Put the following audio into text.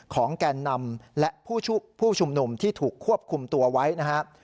แกนนำและผู้ชุมนุมที่ถูกควบคุมตัวไว้นะครับ